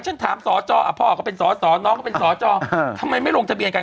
ฉันถามสอจอพ่อก็เป็นสอสอน้องก็เป็นสจทำไมไม่ลงทะเบียนกัน